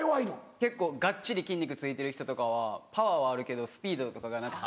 結構がっちり筋肉ついてる人とかはパワーはあるけどスピードとかがなくて。